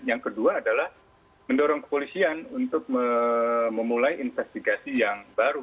yang kedua adalah mendorong kepolisian untuk memulai investigasi yang baru